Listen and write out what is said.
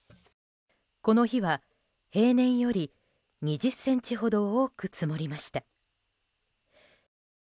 この日は、平年より２０ｃｍほど多く積もりました。